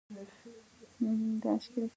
واوره د افغانستان د صادراتو برخه ده.